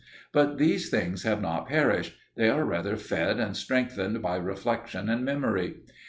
But these things have not perished; they are rather fed and strengthened by reflexion and memory.